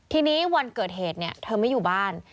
ทีนี้วันเกิดเหตุเนี่ยเธอไม่อยู่บ้าน